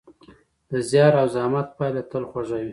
د زیار او زحمت پایله تل خوږه وي.